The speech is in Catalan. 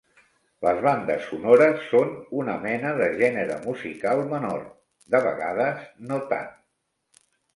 Les bandes sonores són una mena de gènere musical menor. De vegades, no tant.